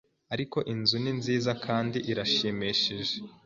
Ariko inzu ni nziza kandi irashimishije